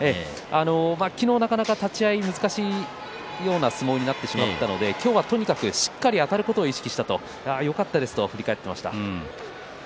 昨日なかなか立ち合いが難しいような相撲になってしまったので今日は、とにかくしっかりあたることを意識したとよかったですと振り返っていました。